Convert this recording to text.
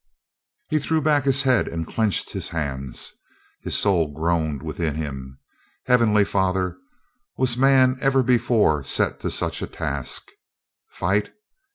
He threw back his head and clenched his hands. His soul groaned within him. "Heavenly Father, was man ever before set to such a task?" Fight?